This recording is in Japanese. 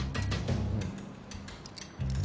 うん。